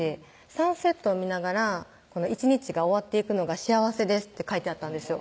「サンセットを見ながら１日が終わっていくのが幸せです」って書いてあったんですよ